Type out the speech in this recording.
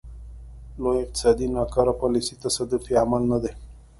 لوی اقتصاد ناکاره پالیسۍ تصادفي عمل نه دی.